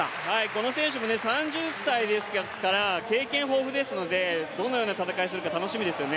この選手も３０歳ですから経験豊富ですのでどのような戦いをするか楽しみです。